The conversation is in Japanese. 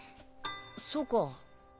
そうか。